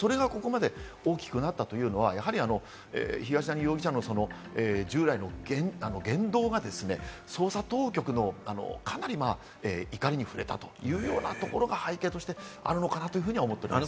それがここまで大きくなったというのは、やはり東谷容疑者の従来の言動がですね、捜査当局のかなり怒りに触れたというようなところが背景としてあるのかなというふうに思っております。